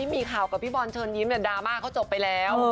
มีข่าวกับพี่บอลเชิญยิ้มดราม่าเขาจบไปแล้ว